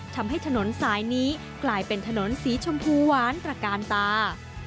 ทำให้ถนนสายนี้กลายเป็นถนนสีชมพูหวานตระกาลตา